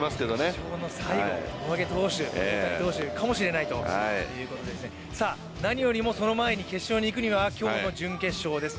優勝の最後、胴上げ投手になるかもしれないということで何よりも、その前に決勝に行くには今日の準決勝です。